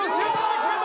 決めた！